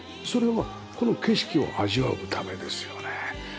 それはこの景色を味わうためですよね。